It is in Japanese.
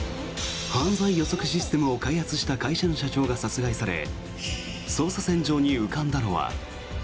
犯罪予測システムを開発した会社の社長が殺害され捜査線上に浮かんだのは。